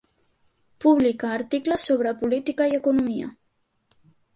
Publica articles sobre política i economia.